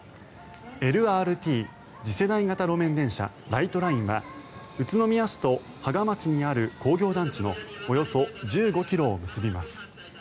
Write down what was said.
ＬＲＴ・次世代型路面電車ライトラインは宇都宮市と芳賀町にある工業団地のおよそ１５ｋｍを結びます。